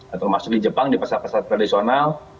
atau masuk di jepang di pasar pasar tradisional